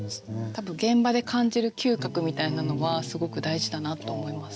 多分現場で感じる嗅覚みたいなのはすごく大事だなと思います。